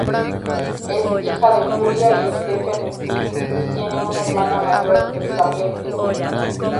Es hija de Julia y Stephen Smith, y tiene una hermana mayor, Scarlett Smith.